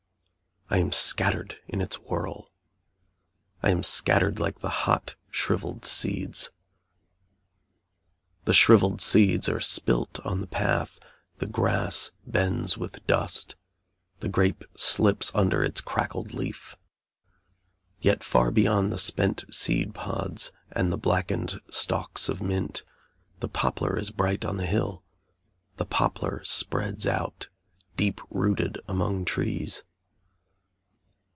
I am scattered in its whirl. I am scattered like the hot shrivelled seeds. The shrivelled seeds are spilt on the path the grass bends with dust, the grape slips under its crackled leaf: yet far beyond the spent seed pods, and the blackened stalks of mint, the poplar is bright on the hill, the poplar spreads out, deep rooted among trees.